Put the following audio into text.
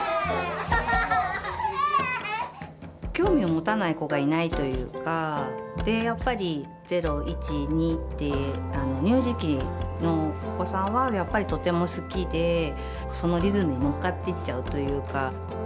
興味を持たない子がいないというかでやっぱり０１２って乳児期のお子さんはやっぱりとても好きでそのリズムにのっかっていっちゃうというか。